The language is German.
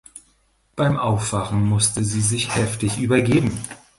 Beim Aufwachen musste sie sich heftig übergeben.